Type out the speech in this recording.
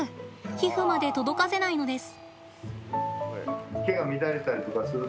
皮膚まで届かせないのです。